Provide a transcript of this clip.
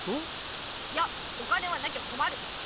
いやお金はなきゃこまる！